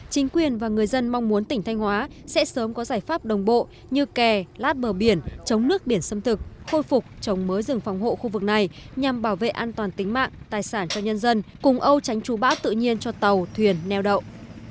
chính quyền và người dân mong muốn tỉnh thanh hóa sẽ sớm có giải pháp đồng bộ như kè lát bờ biển chống nước biển xâm thực khôi phục trồng mới rừng phòng hộ khu vực này nhằm bảo vệ an toàn tính mạng tài sản cho nhân dân cùng âu tránh chú bão tự nhiên cho tàu thuyền neo đậu